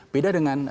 beda dengan jika